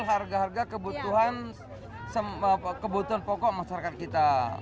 harga harga kebutuhan pokok masyarakat kita